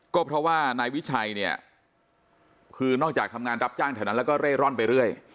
ก็เพราะว่านายวิชัยเนี่ยคือนอกจากทำงานรับจ้างแถวนั้นแล้วก็เร่ร่อนไปเรื่อย